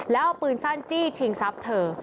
แล้วเอาปืนสั้นจี้ชิงทรัพย์เธอ